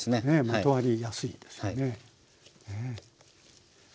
まとわりやすいですよね。